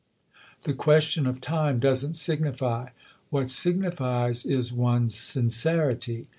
The question of time doesn't signify what signifies is one's sincerity.